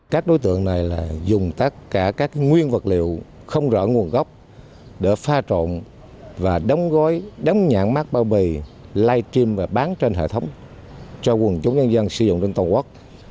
các đối tượng này dùng tất cả các nguyên vật liệu không rõ nguồn gốc để pha trộn và đóng gói đóng nhãn mát bao bì live stream và bán trên hệ thống cho quần chúng nhân dân sử dụng trên toàn quốc